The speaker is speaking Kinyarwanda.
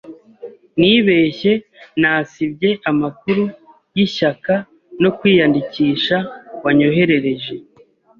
Nibeshye nasibye amakuru yishyaka no kwiyandikisha wanyoherereje.